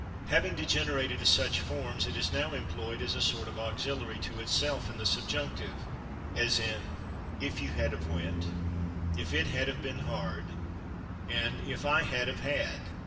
Having degenerated to such forms, it is now employed as a sort of auxiliary to itself, in the subjunctive, as in "if you had /of/ went," "if it had /of/ been hard," and "if I had /of/ had."